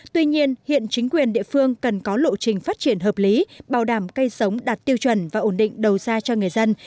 tuy nhiên hiện chính quyền địa phương cần có lộ trình phát triển hợp lý bảo đảm cây sống đạt tiêu chuẩn và ổn định đầu ra cho người dân